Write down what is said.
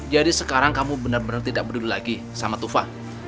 jadi sekarang kamu benar benar tidak berdua lagi sama tufa